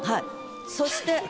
そして。